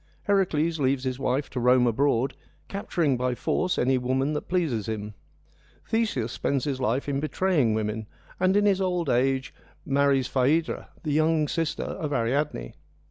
Heracles leaves his wife, to roam abroad, capturing by force any woman that pleases him. Theseus spends his life in betraying women, and in his old age marries Phaedra, the young sister of Ariadne.